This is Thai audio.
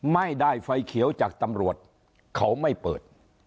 ไม่ได้ไฟเขียวจากตำรวจเขาไม่เปิด